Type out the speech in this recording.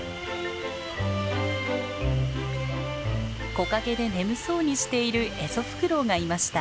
木陰で眠そうにしているエゾフクロウがいました。